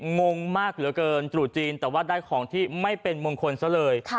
งงมากเหลือเกินตรุษจีนแต่ว่าได้ของที่ไม่เป็นมงคลซะเลย